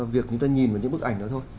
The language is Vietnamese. việc người ta nhìn vào những bức ảnh đó thôi